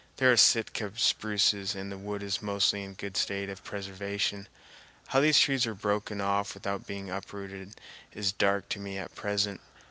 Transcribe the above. They are Sitka spruces and the wood is mostly in a good state of preservation. How these trees were broken off without being uprooted is dark to me at present.